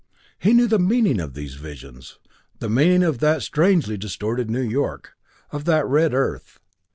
He knew the meaning of these visions the meaning of that strangely distorted New York, of that red earth.